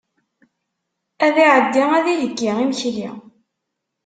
Ad iɛeddi ad iheyyi imekli.